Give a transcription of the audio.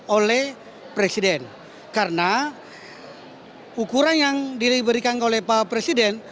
oleh presiden karena ukuran yang diberikan oleh pak presiden